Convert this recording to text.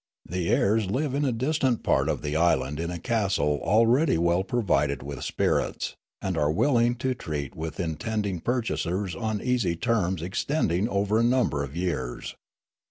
The heirs live in a distant part of the island in a castle already well provided with spirits, and are willing to treat with intending purchasers on easy terms extending over a number of years.